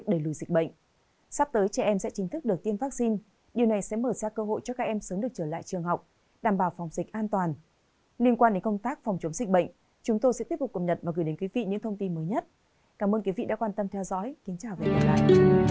cảm ơn quý vị đã quan tâm theo dõi kính chào và hẹn gặp lại